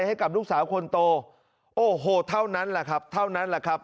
ให้กับลูกสาวคนโตโอ้โหเท่านั้นแหละครับ